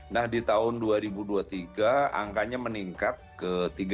nah di tahun dua ribu dua puluh tiga angkanya meningkat ke tiga ratus lima puluh enam